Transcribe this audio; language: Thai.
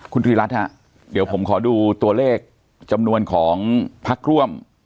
คุณธีรัตน์ฮะเดี๋ยวผมขอดูตัวเลขจำนวนของพักร่วม